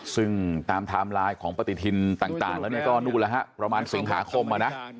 ซึ่งตามไทม์ไลน์ของปฏิทินต่างแล้วเนี่ยก็นู่นละครับประมาณศูนย์หาคมอ่ะนะ